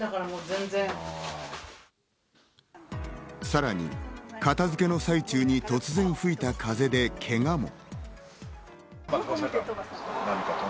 さらに、片付けの最中に突然吹いた風で、けがも。